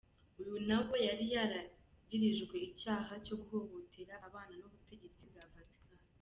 Uyu nawe yari yaragirijwe icaha co guhohotera abana n'ubutegetsi bwa Vatican.